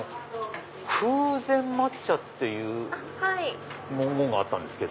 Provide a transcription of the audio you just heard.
空禅抹茶っていう文言があったんですけど。